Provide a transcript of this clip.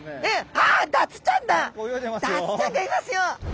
ダツちゃんがいますよ！